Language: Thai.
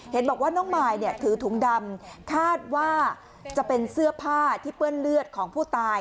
เห็นบอกว่าน้องมายถือถุงดำคาดว่าจะเป็นเสื้อผ้าที่เปื้อนเลือดของผู้ตาย